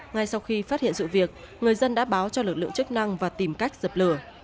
ngay sau khi phát hiện sự việc người dân đã báo cho lực lượng chức năng và tìm cách dập lửa